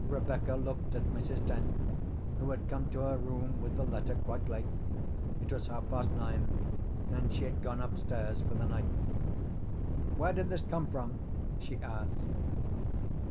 Rebecca looked at Mrs. Dent, who had come to her room with the letter quite late; it was half past nine, and she had gone upstairs for the night. "Where did this come from?" she asked.